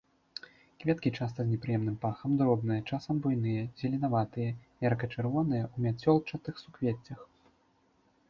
Кветкі часта з непрыемным пахам, дробныя, часам буйныя, зеленаватыя, ярка-чырвоныя, у мяцёлчатых суквеццях.